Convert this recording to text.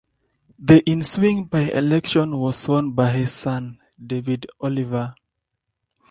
The ensuing by-election was won by his son, David Oliver.